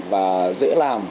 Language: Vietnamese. và dễ làm